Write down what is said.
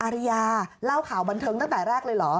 ริยาเล่าข่าวบันเทิงตั้งแต่แรกเลยเหรอ